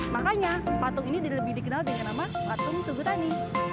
makanya patung ini dikenal dengan nama patung tubuh tani